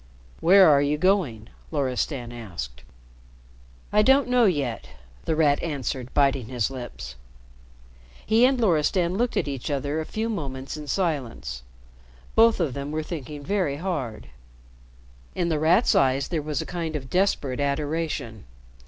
"Where are you going?" Loristan asked. "I don't know yet," The Rat answered, biting his lips. He and Loristan looked at each other a few moments in silence. Both of them were thinking very hard. In The Rat's eyes there was a kind of desperate adoration.